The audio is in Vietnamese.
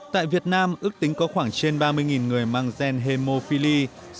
tại việt nam ước tính có khoảng trên ba mươi người mang gen hemophili